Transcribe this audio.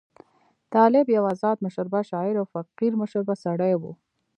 طالب یو آزاد مشربه شاعر او فقیر مشربه سړی وو.